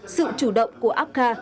sự chủ động của apca